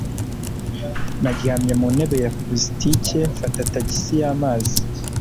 naryamye mu ntebe ya pulasitike, mfata tagisi y'amazi